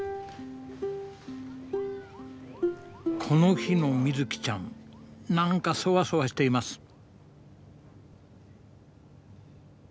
この日のみずきちゃん何かそわそわしています。